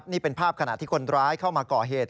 นี่เป็นภาพขณะที่คนร้ายเข้ามาก่อเหตุ